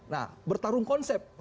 nah bertarung konsep